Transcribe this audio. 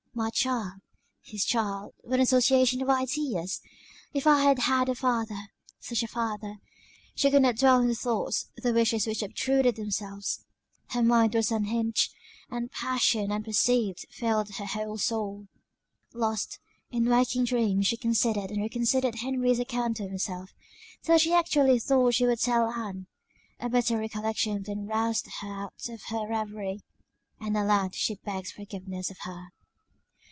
My child! His child, what an association of ideas! If I had had a father, such a father! She could not dwell on the thoughts, the wishes which obtruded themselves. Her mind was unhinged, and passion unperceived filled her whole soul. Lost, in waking dreams, she considered and reconsidered Henry's account of himself; till she actually thought she would tell Ann a bitter recollection then roused her out of her reverie; and aloud she begged forgiveness of her.